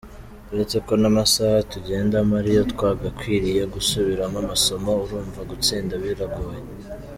Uretse ko n’amasaha tugendamo ariyo twagakwiriye gusubiramo amasomo, urumva gutsinda biragoye.